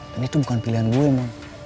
dan itu bukan pilihan gue mon